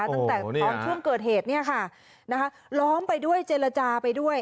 ตั้งแต่ตอนช่วงเกิดเหตุเนี่ยค่ะล้อมไปด้วยเจรจาไปด้วย